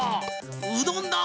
うどんだ！